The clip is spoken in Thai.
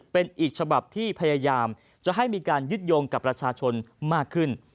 เป็นอีกฉบับที่พยายามจะให้มีการยึดโยงกับประชาชนมากขึ้น